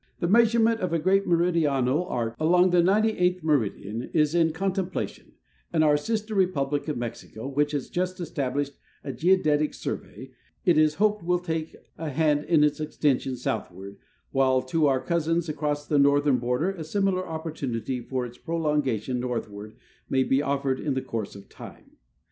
The measurement of a great meridional arc along the 98th meridian is in contemplation, and our sister Republic of Mexico, which has just established a Geodetic Sur \ey, it is hoped will take a hand in its extension southward, while to our cousins across the northern border a similar oppor tunity for its prolongation northward may be offered in the course of time.